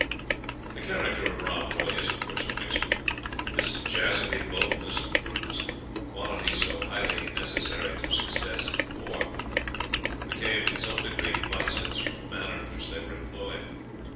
The character of Rob Roy is, of course, a mixed one. His sagacity, boldness, and prudence, qualities so highly necessary to success in war, became in some degree vices, from the manner in which they were employed.